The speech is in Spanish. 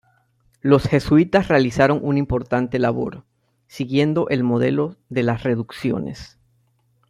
Los jesuitas realizaron una importante labor, siguiendo el modelo de las reducciones.